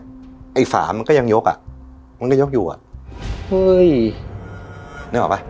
ไอ้ฝามันก็ยังยกอ่ะมันก็ยกอยู่อ่ะเฮ้ยนึกออกป่ะ